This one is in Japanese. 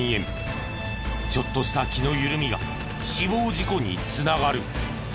ちょっとした気の緩みが死亡事故に繋がる。